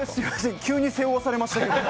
急に背負わされました。